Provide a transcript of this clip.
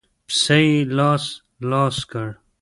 پسه يې لاس لاس کړ.